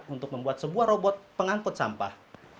untuk membuat sebuah robot pengangkut sampah